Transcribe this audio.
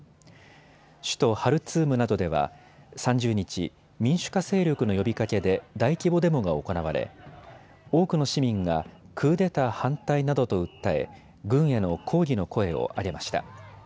首都ハルツームなどでは３０日、民主化勢力の呼びかけで大規模デモが行われ多くの市民がクーデター反対などと訴え、軍への抗議の声を上げました。